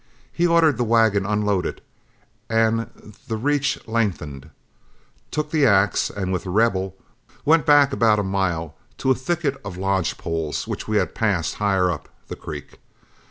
He ordered the wagon unloaded and the reach lengthened, took the axe, and, with The Rebel, went back about a mile to a thicket of lodge poles which we had passed higher up the creek.